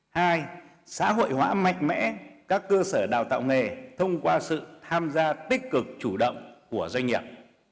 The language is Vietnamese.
hai xã hội hóa mạnh mẽ các cơ sở đào tạo nghề thông qua sự tham gia tích cực chủ động của doanh nghiệp